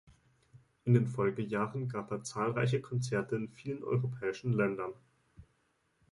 In den Folgejahren gab er zahlreiche Konzerte in vielen europäischen Ländern.